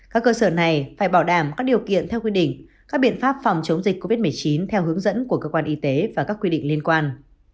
các cơ sở này phải bảo đảm các điều kiện theo quy định các biện pháp phòng chống dịch covid một mươi chín theo hướng dẫn của cơ quan y tế và các quy định liên quan